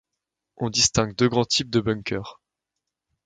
On distingue deux grands types de bunkers.